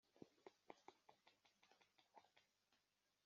bitwaga otiniyeli ehudi